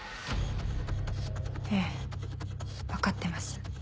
ええ分かってます